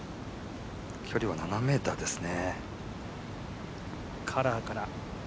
距離は７ｍですね。